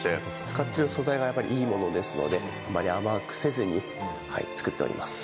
使っている素材がいいものですのであまり甘くせずに作っております。